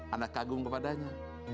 anda kagum kepadanya